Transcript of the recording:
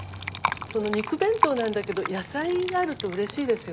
その肉弁当なんだけど野菜があるとうれしいですよね。